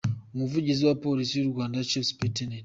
Umuvugizi wa Polisi y’u Rwanda, Chief Supt.